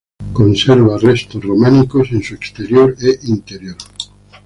Conserva restos románicos en su exterior e interior.